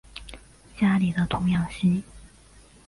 家里的童养媳